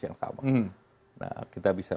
yang sama nah kita bisa